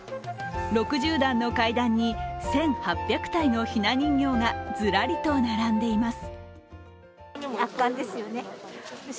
６０段の階段に１８００体のひな人形がズラリと並んでいます。